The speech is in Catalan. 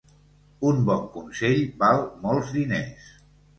Un bon consell val molts diners.